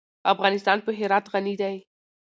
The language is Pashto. افغانستان په هرات غني دی.